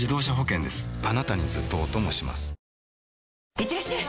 いってらっしゃい！